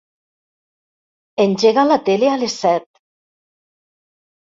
Engega la tele a les set.